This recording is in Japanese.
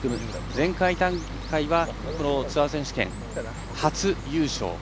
前回大会は、ツアー選手権初優勝。